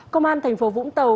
công an thành phố vũng tàu